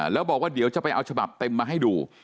แล้วบอกว่าเดี๋ยวจะไปเอาฉบับเต็มมาให้ดู